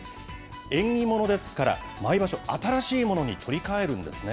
縁起物ですから、毎場所、新しいものに取り替えるんですね。